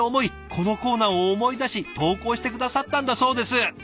このコーナーを思い出し投稿して下さったんだそうです！